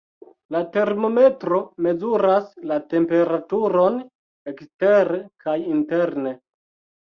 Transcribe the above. La termometro mezuras la temperaturon ekstere kaj interne.